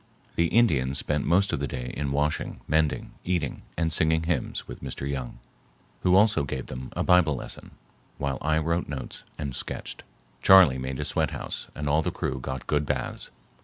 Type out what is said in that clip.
The Indians spent most of the day in washing, mending, eating, and singing hymns with Mr. Young, who also gave them a Bible lesson, while I wrote notes and sketched. Charley made a sweathouse and all the crew got good baths.